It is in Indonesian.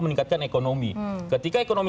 meningkatkan ekonomi ketika ekonomi